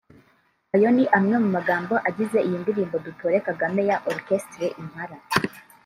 Ayo ni amwe mu magambo agize iyi ndirimbo 'Dutore Kagame' ya Orchestre Impala